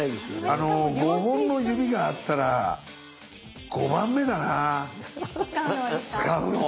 あの５本の指があったら５番目だな使うの。